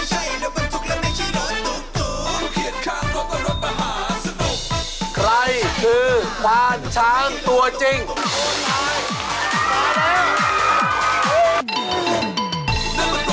ใครคือผ่านช้างตัวจริง